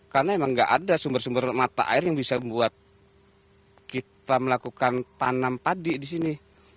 karena emang nggak ada sumber sumber mata air yang bisa membuat kita melakukan tanam padi di sini